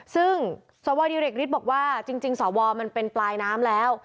ซึ่งสอวรรำดับดิเรกฤทธิ์เจนบอกว่าจริงสอวรรำดับมันเป็นปลายน้ำแล้ว